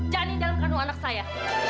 jani dalam kandungan anak saya